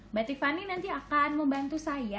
mbak tiffany nanti akan membantu saya